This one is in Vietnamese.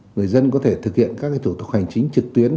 người dân có thể thực hiện các thủ tục hành chính trực tuyến